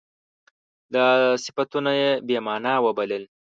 دا صفتونه یې بې معنا وبلل.